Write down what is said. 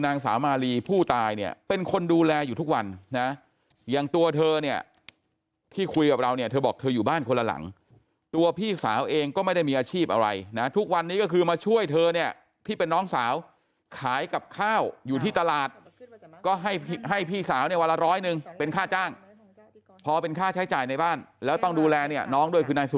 นางสาวมาลีผู้ตายเนี่ยเป็นคนดูแลอยู่ทุกวันนะอย่างตัวเธอเนี่ยที่คุยกับเราเนี่ยเธอบอกเธออยู่บ้านคนละหลังตัวพี่สาวเองก็ไม่ได้มีอาชีพอะไรนะทุกวันนี้ก็คือมาช่วยเธอเนี่ยที่เป็นน้องสาวขายกับข้าวอยู่ที่ตลาดก็ให้ให้พี่สาวเนี่ยวันละร้อยหนึ่งเป็นค่าจ้างพอเป็นค่าใช้จ่ายในบ้านแล้วต้องดูแลเนี่ยน้องด้วยคือนายสุ